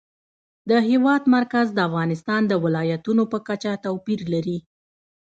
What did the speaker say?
د هېواد مرکز د افغانستان د ولایاتو په کچه توپیر لري.